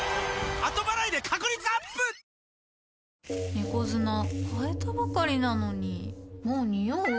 猫砂替えたばかりなのにもうニオう？